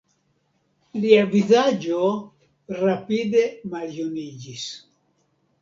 Lia vizaĝo rapide maljuniĝis.